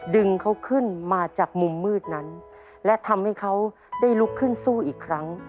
ดึงเขาขึ้นมาจากมุมมืดนั้นและทำให้เขาได้ลุกขึ้นสู้อีกครั้ง